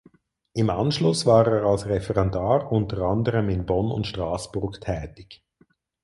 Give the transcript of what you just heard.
Im Anschluss war er als Referendar unter anderem in Bonn und Straßburg tätig.